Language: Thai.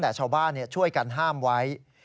แต่ชาวบ้านช่วยกันห้ามไว้